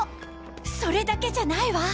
それだけじゃないわ。